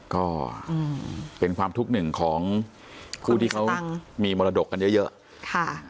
ก็เป็นความทุกข์หนึ่งของผู้ที่เขามีมรดกกันเยอะค่ะ